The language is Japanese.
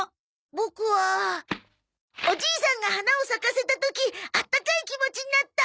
ボクはおじいさんが花を咲かせた時あったかい気持ちになった。